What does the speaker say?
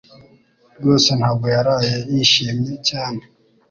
rwose ntabwo yaraye yishimye cyane.